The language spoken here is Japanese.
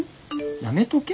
「やめとけ」